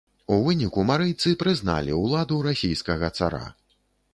У выніку марыйцы прызналі ўладу расійскага цара.